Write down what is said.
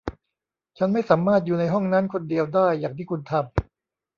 ฉันไม่สามารถอยู่ในห้องนั้นคนเดียวได้อย่างที่คุณทำ